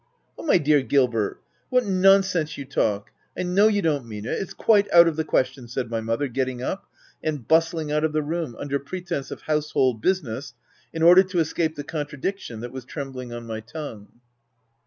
" Oh, my dear Gilbert, what nonsense you talk !— I know you don't mean it ; it's quite out of the question," said my mother, getting up, and bustling out of the room, under pre tence of household business, in order to escape the contradiction that was trembling on my tongue.